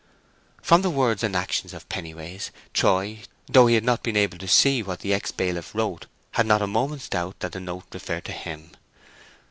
From the words and action of Pennyways, Troy, though he had not been able to see what the ex bailiff wrote, had not a moment's doubt that the note referred to him.